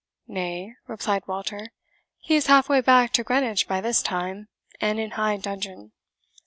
"Nay," replied Walter, "he is half way back to Greenwich by this time, and in high dudgeon."